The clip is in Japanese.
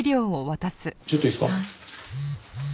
ちょっといいですか。